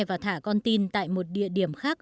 và thả con tin tại một địa điểm khác